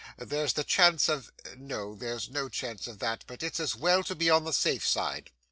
There's the chance of no, there's no chance of that, but it's as well to be on the safe side.